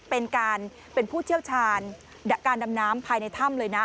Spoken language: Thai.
เป็นการเป็นผู้เชี่ยวชาญการดำน้ำภายในถ้ำเลยนะ